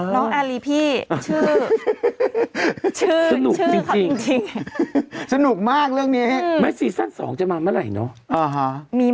น้องอารีพี่ชื่อชื่อเพิ่มจริง